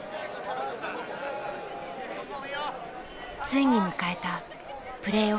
ついに迎えたプレーオフ。